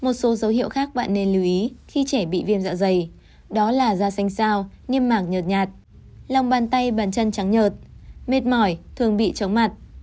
một số dấu hiệu khác bạn nên lưu ý khi trẻ bị viêm dạ dày đó là da xanh sao niêm mảng nhợt nhạt lòng bàn tay bàn chân trắng nhợt mệt mỏi thường bị chóng mặt